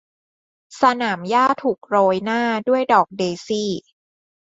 สนามหญ้าถูกโรยหน้าด้วยดอกเดซี่